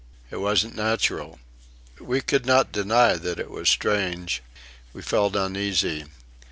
It wasn't natural.... We could not deny that it was strange. We felt uneasy.